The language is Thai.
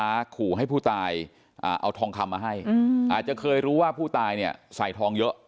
ขู่ให้ผู้ตายเอาทองคำมาให้อาจจะเคยรู้ว่าผู้ตายเนี่ยใส่ทองเยอะ